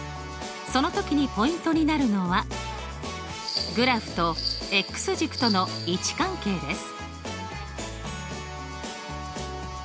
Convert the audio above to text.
その時にポイントになるのはグラフと軸との位置関係です。